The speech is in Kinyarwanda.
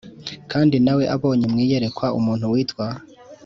Kandi na we abonye mu iyerekwa umuntu witwa